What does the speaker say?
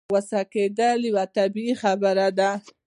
غوسه کېدل يوه طبيعي خبره ده.